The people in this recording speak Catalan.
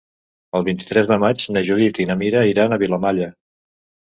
El vint-i-tres de maig na Judit i na Mira iran a Vilamalla.